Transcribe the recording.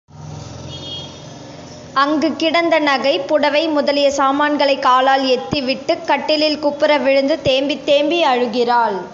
அங்கு கிடந்த நகை, புடவை முதலிய சாமான்களைக் காலால் எத்திவிட்டுக் கட்டிலில் குப்புற விழுந்து தேம்பித் தேம்பி அழுகிறாள்.